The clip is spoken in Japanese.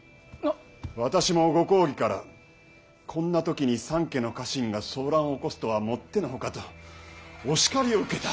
私もご公儀から「こんな時に三家の家臣が騒乱を起こすとはもっての外」とお叱りを受けた。